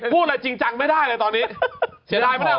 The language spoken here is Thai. พูดอะไรจริงจังไม่ได้เลยตอนนี้